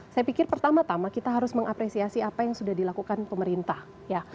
saya pikir pertama tama kita harus mengapresiasi apa yang sudah dilakukan pemerintah ya